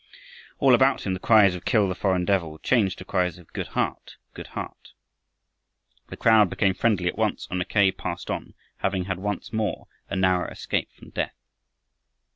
All about him the cries of "Kill the foreign devil" changed to cries of "Good heart! Good heart!" The crowd became friendly at once, and Mackay passed on, having had once more a narrow escape from death.